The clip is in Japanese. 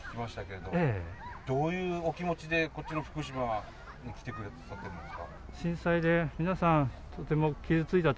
どういうお気持ちでこっちの福島に来てくださってるんですか？